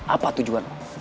apa tujuan lo